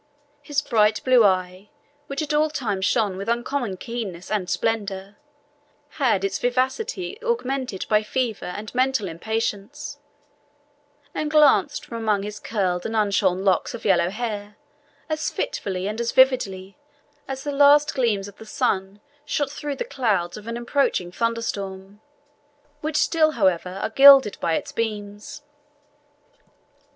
His bright blue eye, which at all times shone with uncommon keenness and splendour, had its vivacity augmented by fever and mental impatience, and glanced from among his curled and unshorn locks of yellow hair as fitfully and as vividly as the last gleams of the sun shoot through the clouds of an approaching thunderstorm, which still, however, are gilded by its beams.